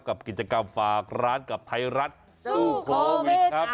กับกิจกรรมฝากร้านกับไทยรัฐสู้โควิดครับ